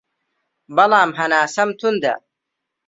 بەڵام هەناسەم توندە